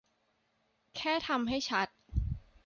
แค่ทำให้ชัด